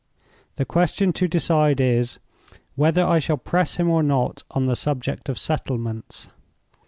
The question to decide is, whether I shall press him or not on the subject of settlements.